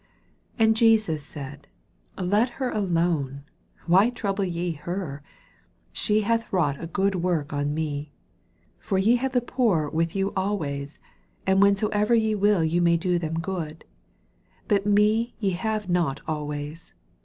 6 And Jesus said, Let her alone ; why trouble ye her ? she hath wrought a good work on me. 7 For ye have the poor with yon always, and whensoever ye will ye may do them good : but me ye have not always.